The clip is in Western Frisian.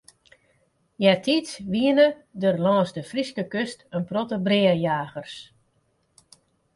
Eartiids wienen der lâns de Fryske kust in protte breajagers.